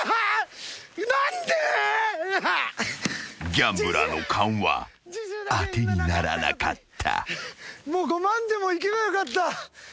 ［ギャンブラーの勘は当てにならなかった］